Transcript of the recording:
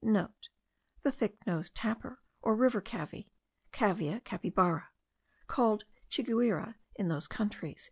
*(* The thick nosed tapir, or river cavy (Cavia capybara), called chiguire in those countries.)